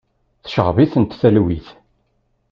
Tceɣɣeb-iten talwit.